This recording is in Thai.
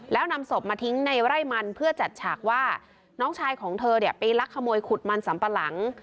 แล้วนำศพมาทิ้งในไร่มันเพื่อจัดฉากว่าน้องชายของเธอเนี่ยไปลักขโมยขุดมันสัมปะหลัง